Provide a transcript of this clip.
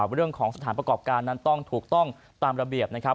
เรื่องของสถานประกอบการนั้นต้องถูกต้องตามระเบียบนะครับ